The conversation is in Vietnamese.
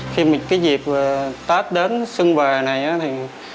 khi mà cái dịp tết đến xuân về này thì